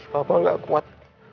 papa gak kuat